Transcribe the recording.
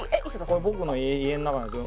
これ僕の家の中なんですよ。